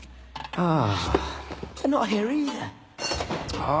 ああ。